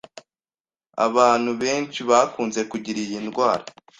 Abantu benshi bakunze kugira iyi ndwara